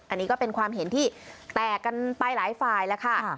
อันนี้ก็เป็นความเห็นที่แตกกันไปหลายฝ่ายแล้วค่ะ